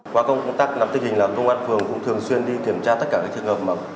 qua công tác nắm tình hình là công an phường cũng thường xuyên đi kiểm tra tất cả các trường hợp